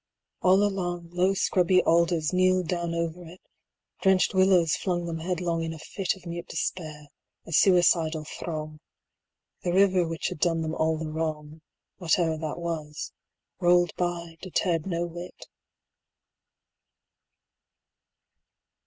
All along, 115 Low scrubby alders kneeled down over it; Drenched willows flung them headlong in a fit Of mute despair, a suicidal throng; The river which had done them all the wrong, Whate'er that was, rolled by, deterred no whit.